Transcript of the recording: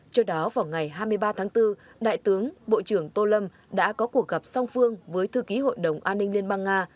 trước đó vào ngày hai mươi ba tháng bốn đại tướng bộ trưởng tô lâm đã có cuộc gặp song phương với thư ký hội đồng an ninh liên bang nga